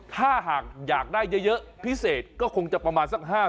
ถ้าหากอยากได้เยอะพิเศษก็คงจะประมาณสัก๕๐๐